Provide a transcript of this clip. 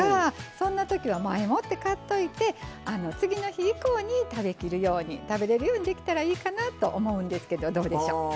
そんな時は前もって買っといて次の日以降に食べきるように食べれるようにできたらいいかなと思うんですけどどうでしょう。